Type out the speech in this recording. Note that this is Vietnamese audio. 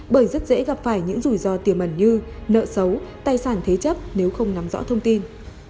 bởi rất dễ gặp phải những rủi ro tiềm ẩn như nợ xấu tài sản thế chấp nếu không nắm rõ thông tin